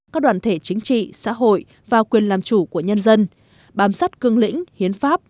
các đoàn thể chính trị xã hội và quyền làm chủ của nhân dân bám sát cương lĩnh hiến pháp